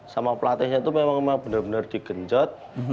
sama pelatihnya itu memang benar benar digenjot